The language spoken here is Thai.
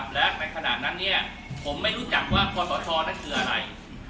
และในขณะนั้นผมไม่รู้จักว่าคอสชนั้นคืออะไร